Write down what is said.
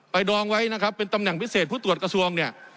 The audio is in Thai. ไปดองไว้เป็นตำแหน่งพิเศษผู้ตรวจกระทรวง